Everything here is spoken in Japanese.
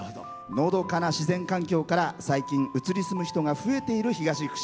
のどかな自然環境から最近移り住む人が増えている東串良町。